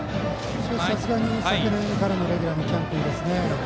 さすがに昨年からのレギュラーの喜屋武君ですね。